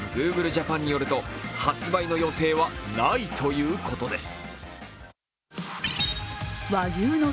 ジャパンによると発売の予定はないということです。